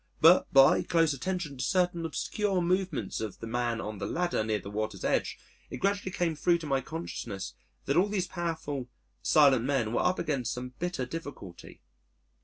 But by close attention to certain obscure movements of the man on the ladder near the water's edge, it gradually came thro' to my consciousness that all these powerful, silent men were up against some bitter difficulty.